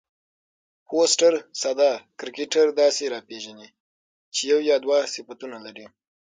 فوسټر ساده کرکټر داسي راپېژني، چي یو یا دوه صفتونه لري.